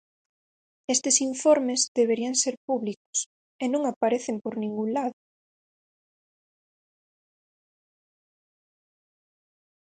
Estes informes deberían ser públicos, e non aparecen por ningún lado.